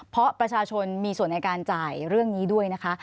เพราะประชาชนมีส่วนในการจ่ายเรื่องนี้ด้วยนะคะ